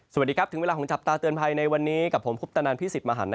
สวัสดีครับถึงเวลาของจับตาเตือนภัยในวันนี้กับผมคุปตนันพี่สิทธิ์มหัน